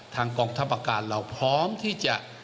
กองทัพอากาศเราพร้อมที่จะ